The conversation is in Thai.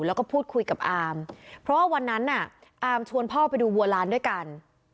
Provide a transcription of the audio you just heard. แล้วก็พูดคุยกับอามเพราะว่าวันนั้นน่ะอาร์มชวนพ่อไปดูบัวล้านด้วยกัน